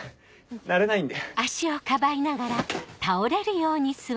慣れないんで。